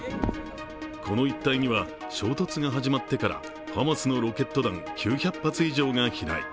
この一帯には衝突が始まってからハマスのロケット弾９００発以上が飛来。